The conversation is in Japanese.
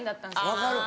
分かる